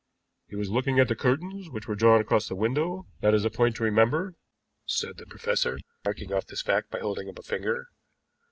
"He was looking at the curtains which were drawn across the window that is a point to remember," said the professor, marking off this fact by holding up a finger.